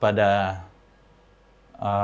yang mana kita bisa menemukan